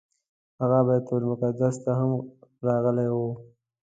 هغه بیت المقدس ته هم راغلی و.